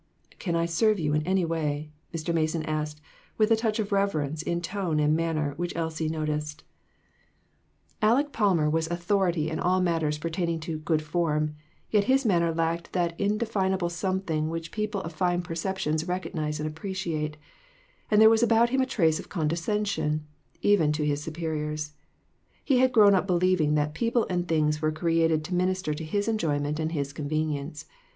"Can I serve you in any way?" Mr. Mason asked, with a touch of reverence in tone and man ner which Elsie noticed. 3/8 A MODERN MARTYR. Aleck Palmer was authority in all matters per taining to "good form," yet his manner lacked that indefinable something which people of fine perceptions recognize and appreciate, and there was about him a trace of condescension, even to his superiors. He had grown up believing that people and things were created to minister to his enjoyment and his convenience.